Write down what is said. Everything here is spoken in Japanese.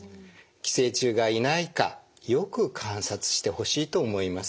寄生虫がいないかよく観察してほしいと思います。